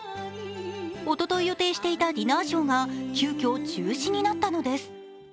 おととい予定していたディナーショーが急きょ中止になったのです。